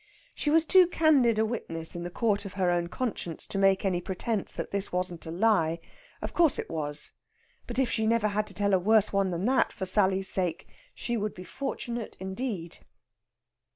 She was too candid a witness in the court of her own conscience to make any pretence that this wasn't a lie. Of course it was; but if she never had to tell a worse one than that for Sally's sake, she would be fortunate indeed.